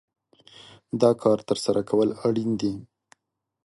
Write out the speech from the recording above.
دا کار ترسره کول اړين دي.